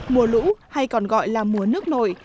mùa lũ hay còn gọi là mùa nước nổi